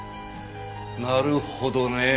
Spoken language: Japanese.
なるほどね。